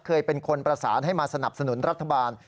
เคยเป็นคนประสานให้มาสนับสนุนรัฐบาล